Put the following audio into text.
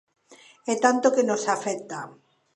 E tanto que nos afecta.